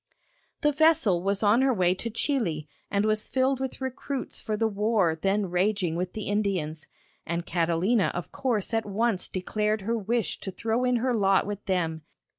The vessel was on her way to Chili and was filled with recruits for the war then raging with the Indians, and Catalina of course at once declared her wish to throw in her lot with them.